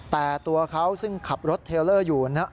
แต่ตัวเขาซึ่งขับรถเทลเลอร์อยู่นะ